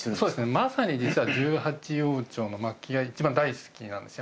まさに実は１８王朝の末期が一番大好きなんですよ